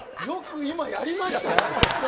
よく、今やりましたね。